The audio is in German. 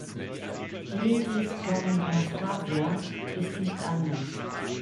Dimitris Gattin Anastasia ist nicht anders.